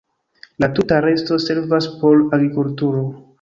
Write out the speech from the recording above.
La tuta resto servas por agrikulturo.